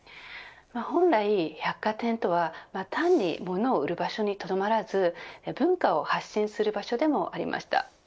本来、百貨店とは単にものを売る場所にとどまらず文化を発信する場所でもありました。